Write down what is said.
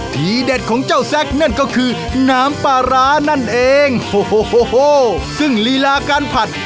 ทีเด็ดของเจ้าแซคนั่นก็คือน้ำปลาร้านั่นเองโอ้โหซึ่งลีลาการผัด